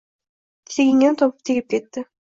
Tengini topib tegib ketdi